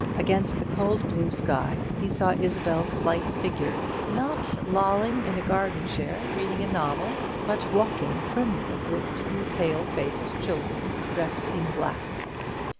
Against the cold blue sky he saw Isabel's slight figure, not lolling in a garden chair reading a novel, but walking primly with two pale faced children dressed in black.